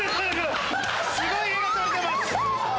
すごい画が撮れてます。